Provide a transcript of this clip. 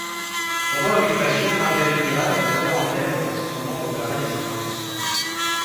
Pendant l'Occupation, Marguerite Duras et Robert Antelme sont membres de la Résistance.